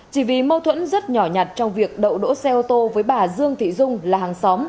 chỉ vì mâu thuẫn rất nhỏ nhặt trong việc đậu đỗ xe ô tô với bà dương thị dung là hàng xóm